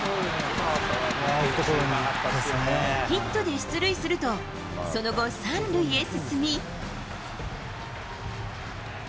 ヒットで出塁すると、その後、３塁へ進み。